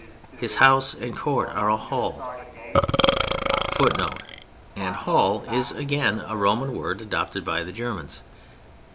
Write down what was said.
His house and court are a hall [Footnote: And "hall" is again a Roman word adopted by the Germans.